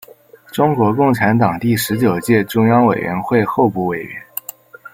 中国共产党第十九届中央委员会候补委员。